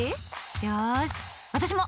よし、私も！